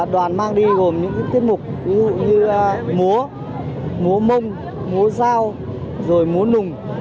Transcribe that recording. đoàn mang đi gồm những tiết mục ví dụ như múa múa mông múa dao múa nùng